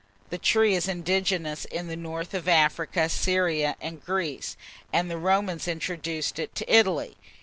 The tree is indigenous in the north of Africa, Syria, and Greece; and the Romans introduced it to Italy.